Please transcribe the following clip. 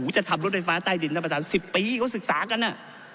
จะทำรถไฟฟ้าใต้ดินตามมาตรา๑๐ปีเขาศึกษากันน่ะ